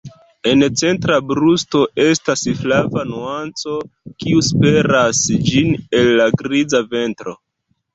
En centra brusto estas flava nuanco kiu separas ĝin el la griza ventro.